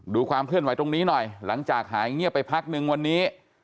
ความเคลื่อนไหวตรงนี้หน่อยหลังจากหายเงียบไปพักนึงวันนี้